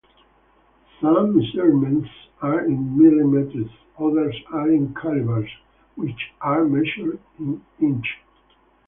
Some measurements are in millimetres, others are in calibers, which are measured in inches.